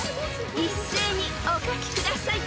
［一斉にお書きください］